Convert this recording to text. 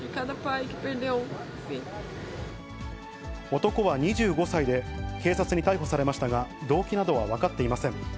男は２５歳で、警察に逮捕されましたが、動機などは分かっていません。